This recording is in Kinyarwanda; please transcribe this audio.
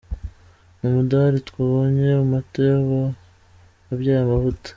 N’umudali tuwubonye amata yaba abyaye amavuta.